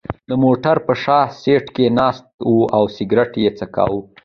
د موټر په شا سېټ کې ناست و او سګرېټ یې څکاو.